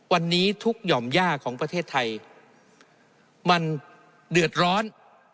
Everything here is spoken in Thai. วันนี้ทุกหย่อมย่าของประเทศไทยมันเดือดร้อน